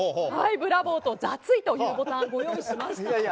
ブラボーと雑いというボタンをご用意しました。